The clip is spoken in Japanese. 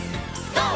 ＧＯ！